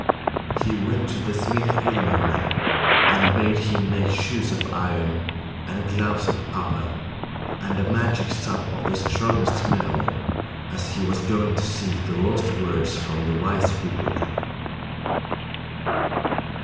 He went to the smith Ilmarinen and bade him make shoes of iron, and gloves of copper, and a magic staff of the strongest metal, as he was going to seek the lost words from the wise Wipunen.